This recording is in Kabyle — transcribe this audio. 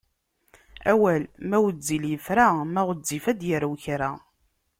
Awal ma wezzil yefra, ma ɣezzif ad d-yernu kra.